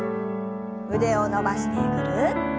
腕を伸ばしてぐるっと。